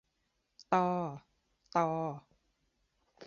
ตอ ฏอ